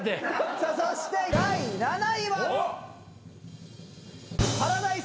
さあそして第７位は。